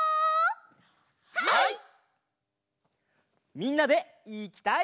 みんなでいきたいひと！